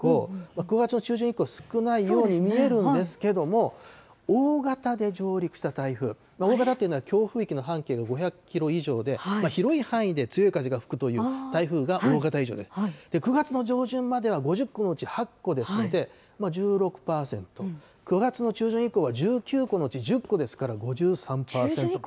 ９月の中旬以降少ないように見えるんですけども、大型で上陸した台風、大型というのは、強風域の半径が５００キロ以上で、広い範囲で強い風が吹くという台風が大型以上で、９月の上旬までは５０個のうち８個でしたので、１６％、９月の中旬以降は１９個のうち１０個ですから、５３％。